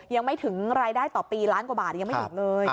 ยังไม่ถึงรายได้ต่อปีล้านกว่าบาทยังไม่ถึงเลย